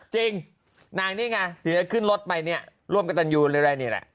จริงนางนี่ไงถึงจะขึ้นรถไปเนี่ยร่วมกับตันยูเรื่อยนี่แหละ